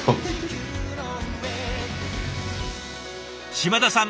嶋田さん